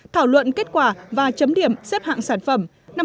thảo luận kết quả và chấm điểm xếp hạng sản phẩm